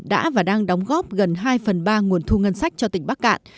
đã và đang đóng góp gần hai phần ba nguồn thu ngân sách cho tỉnh bắc cạn